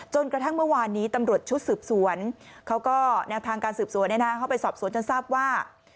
จนกระทั่งเมื่อวานนี้ตำรวจชุดสืบสวนเขาก็แนวทางการสืบสวนเข้าไปสอบสวนจนทราบว่า